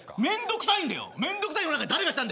面倒くさいんだよ。